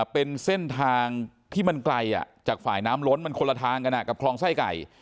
เป็นเส้นทางที่มันไกลจากฝ่ายน้ำล้นมันคนละทางกันกับคลองไส้ไก่